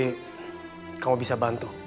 tapi kamu bisa bantu